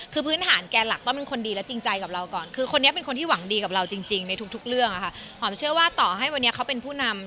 คือพื้นฐานแก่หลักต้องเป็นคนดีและจริงใจกับเราก่อน